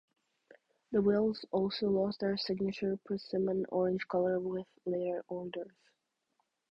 The wheels also lost their signature persimmon orange color with later orders.